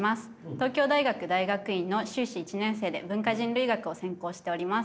東京大学大学院の修士１年生で文化人類学を専攻しております。